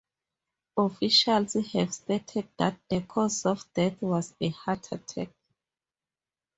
Officials have stated that the cause of death was a heart attack.